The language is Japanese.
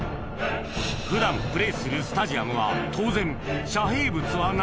普段プレーするスタジアムは当然遮蔽物はない